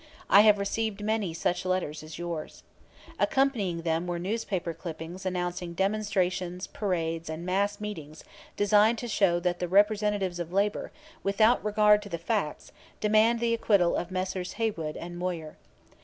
I have received many such letters as yours. Accompanying them were newspaper clippings announcing demonstrations, parades, and mass meetings designed to show that the representatives of labor, without regard to the facts, demand the acquittal of Messrs. Haywood and Moyer.